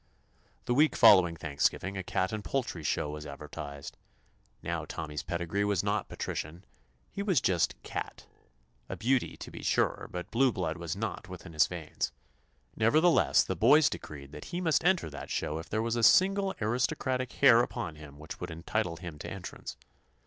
The week following Thanksgiving a cat and poultry show was adver tised. Now Tommy's pedigree was not patrician: he was just cat. A beauty, to be sure, but blue blood was not within his veins. Nevertheless, the boys decreed that he must enter that show if there was a single aristo cratic hair upon him which would en title him to entrance.